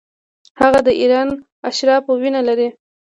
هغه د ایران اشرافو وینه لري.